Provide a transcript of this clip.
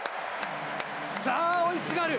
さあ、追いすがる。